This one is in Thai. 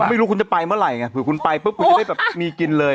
ไม่รู้คุณจะไปเมื่อไหร่ไงเผื่อคุณไปปุ๊บคุณจะได้แบบมีกินเลย